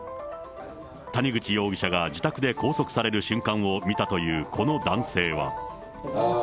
谷口容疑者が自宅で拘束される瞬間を見たというこの男性は。